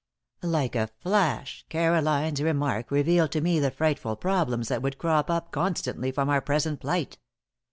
Like a flash, Caroline's remark revealed to me the frightful problems that would crop up constantly from our present plight.